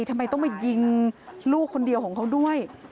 ทำไมต้องมายิงลูกคนเดียวของเขาด้วย